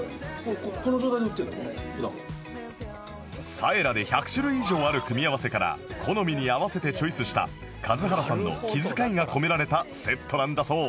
さえらで１００種類以上ある組み合わせから好みに合わせてチョイスした數原さんの気遣いが込められたセットなんだそう